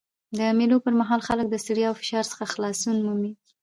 د مېلو پر مهال خلک له ستړیا او فشار څخه خلاصون مومي.